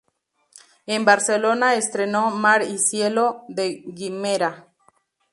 En Barcelona estrenó "Mar y cielo" de Guimerá.